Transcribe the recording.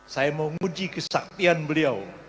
saya mau nguji kesaktian beliau